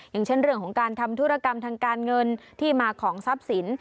อย่างเช่นเรื่องของการทำธุรกรรมทางการเงินที่มาของทรัพย์สิน